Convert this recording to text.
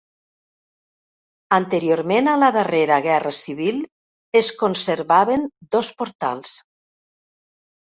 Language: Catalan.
Anteriorment a la darrera guerra civil es conservaven dos portals.